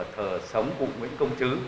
thờ sống cụ nguyễn công chứ